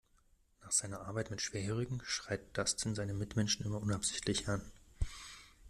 Nach seiner Arbeit mit Schwerhörigen schreit Dustin seine Mitmenschen immer unabsichtlich an.